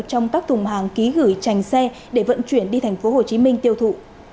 trong các thùng hàng ký gửi trành xe để vận chuyển đi tp hcm tiêu thụ